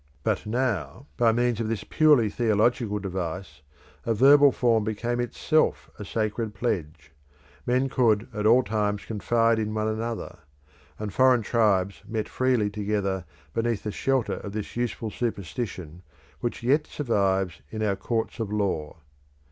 But now by means of this purely theological device a verbal form became itself a sacred pledge: men could at all times confide in one another; and foreign tribes met freely together beneath the shelter of this useful superstition which yet survives in our courts of law.